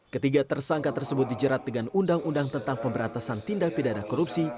ketiga tersangka tersebut dijerat dengan undang undang tentang pemberantasan tindak pidana korupsi